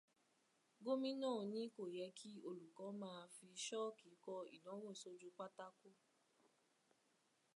Gómìnà ní kò yẹ kí olùkọ́ máa fi ṣọ́ọ̀kì kọ ìdánwò sójú pátákó.